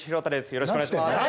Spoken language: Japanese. よろしくお願いします